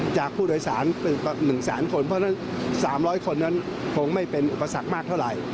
จากผู้โดยสาร๑แสนคนเพราะฉะนั้น๓๐๐คนนั้นคงไม่เป็นอุปสรรคมากเท่าไหร่